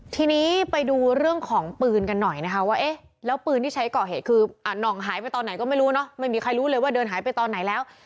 ทีนี้ไปดูเรื่องของปืนกันหน่อยนะคะว่าเอ๊ะแล้วปืนที่ใช้ก่อเหตุคือน่องหายไปตอนไหนก็ไม่รู้เนอะไม่มีใครรู้เลยว่าเดินหายไปตอนไหนแล้ว